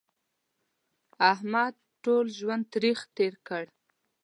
احمد ټول ژوند تریخ تېر کړ.